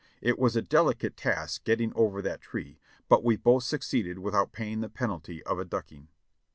It was a delicate task getting over that tree, but we both succeeded without paying the penalty of a dUcking.